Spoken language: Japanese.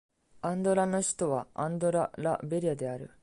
アンドラの首都はアンドラ・ラ・ベリャである